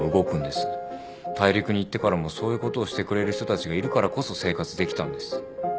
大陸に行ってからもそういうことをしてくれる人たちがいるからこそ生活できたんです。